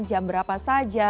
jam berapa saja